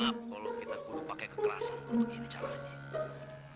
maap kalau kita kudu pake kekerasan gue pake ini caranya